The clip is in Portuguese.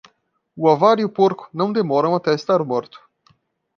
O avar e o porco, não demoram até estar morto.